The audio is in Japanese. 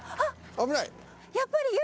危ない。